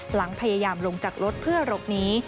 หลังพยายามลงจากรถเพื่อหลบหนี